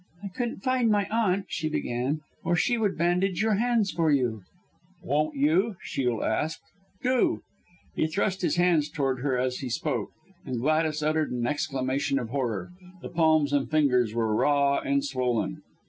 "I couldn't find my aunt," she began, "or she would bandage your hands for you." "Won't you?" Shiel asked. "Do!" He thrust his hands towards her as he spoke, and Gladys uttered an exclamation of horror the palms and fingers were raw and swollen.